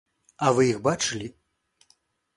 А вы іх бачылі?